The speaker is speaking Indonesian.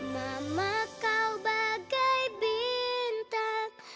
mama kau bagai bintang